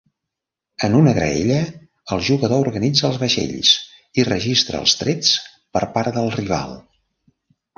En una graella, el jugador organitza els vaixells i registra els trets per part del rival.